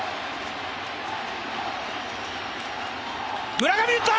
村上打った！